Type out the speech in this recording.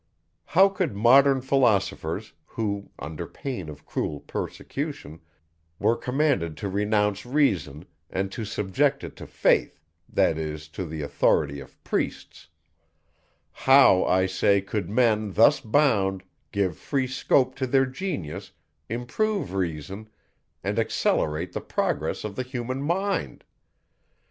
How could modern philosophers, who, under pain of cruel persecution, were commanded to renounce reason, and to subject it to faith, that is, to the authority of priests; how, I say, could men, thus bound, give free scope to their genius, improve reason, and accelerate the progress of the human mind?